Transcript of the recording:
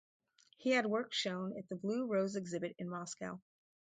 He had works shown at the Blue Rose Exhibit in Moscow.